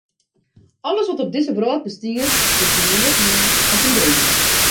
Alles wat op dizze wrâld bestiet, is neat mear as in dream.